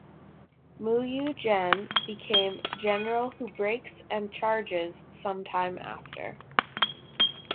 Muyu Gen became General Who Breaks And Charges some time after.